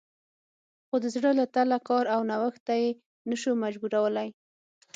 خو د زړه له تله کار او نوښت ته یې نه شو مجبورولی